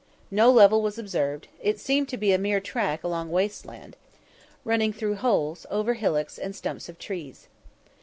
No level was observed; it seemed to be a mere track along waste land, running through holes, over hillocks and stumps of trees.